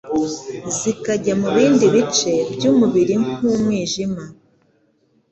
zikajya mu bindi bice by'umubiri nk'umwijima